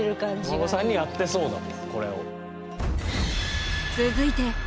お孫さんにやってそうだもんこれを。